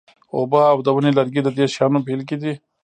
اوبه او د ونې لرګي د دې شیانو بیلګې دي.